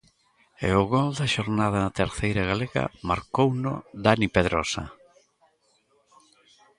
E o gol da xornada na terceira galega marcouno Dani Pedrosa.